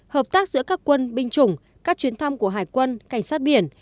hợp tác giữa các quân binh chủng các chuyến thăm của hải quân cảnh sát biển